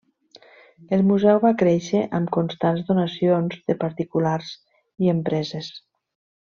El Museu va créixer amb constants donacions de particulars i empreses.